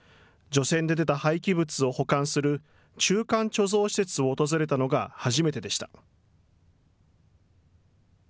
除染で出た廃棄物を保管する中間貯蔵施設を訪れたのが初めてでした。